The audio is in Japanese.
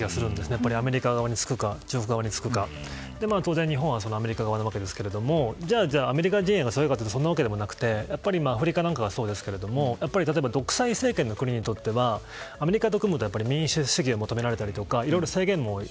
やっぱりアメリカ側につくか中国側につくか当然、日本はアメリカ側なわけですがアメリカ陣営が強いかといったらそんなわけでもなくてアフリカとか独裁政権の国だとアメリカと組むと民主主義が求められたりとかいろいろ制限もある。